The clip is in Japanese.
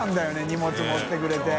荷物持ってくれて。